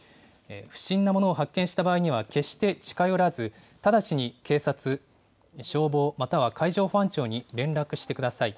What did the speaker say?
不審なものを発見した場合には、決して近寄らず、直ちに警察、消防、または海上保安庁に連絡してください。